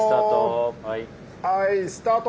はいスタート。